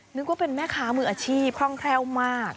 นึกว่าเป็นแม่ค้ามืออาชีพคล่องแคล่วมาก